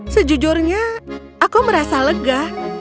sejujurnya aku merasa lega